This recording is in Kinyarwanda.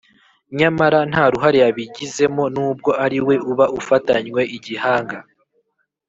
nyamara nta ruhare yabigizemo n'ubwo ariwe uba ufatanywe igihanga